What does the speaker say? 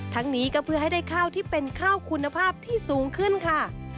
ทั้งนี้ก็เพื่อให้ได้ข้าวที่เป็นข้าวคุณภาพที่สูงขึ้นค่ะ